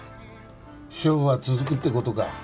勝負は続くって事か。